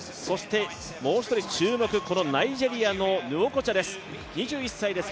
そして、もう一人注目がナイジェリアのヌウォコチャです。